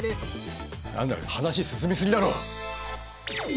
何だよ話進み過ぎだろ。